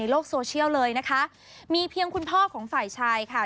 โลกโซเชียลเลยนะคะมีเพียงคุณพ่อของฝ่ายชายค่ะ